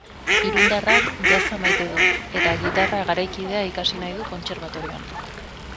Irundarrak jazza maite du eta gitarra garaikidea ikasi nahi du kontserbatorioan.